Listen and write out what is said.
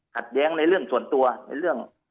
ขัดแย้งในเรื่องส่วนตัวในเรื่อง